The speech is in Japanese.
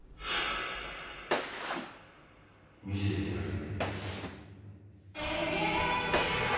見せてやるよ。